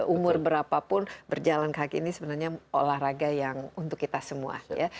umur berapapun berjalan kaki ini sebenarnya olahraga yang untuk kita semua ya